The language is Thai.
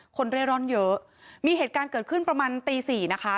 เร่ร่อนเยอะมีเหตุการณ์เกิดขึ้นประมาณตีสี่นะคะ